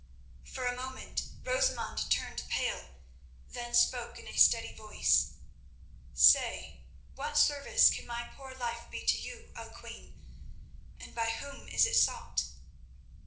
For a moment Rosamund turned pale, then spoke in a steady voice: "Say, what service can my poor life be to you, O Queen, and by whom is it sought?"